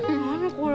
これ。